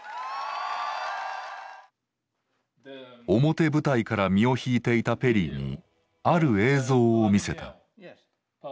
表舞台から身を引いていたペリーにある映像を見せた。